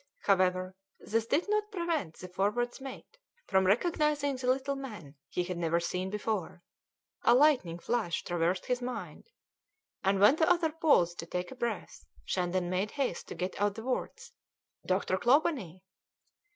However, this did not prevent the Forward's mate from recognising the little man he had never seen before; a lightning flash traversed his mind, and when the other paused to take breath, Shandon made haste to get out the words, "Doctor Clawbonny!"